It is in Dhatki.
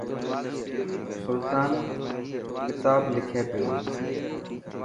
سلطان ڪتا لکي پيو.